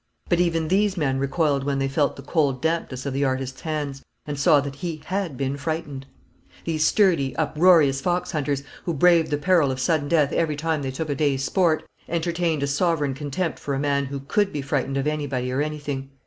But even these men recoiled when they felt the cold dampness of the artist's hands, and saw that he had been frightened. These sturdy, uproarious foxhunters, who braved the peril of sudden death every time they took a day's sport, entertained a sovereign contempt for a man who could be frightened of anybody or anything.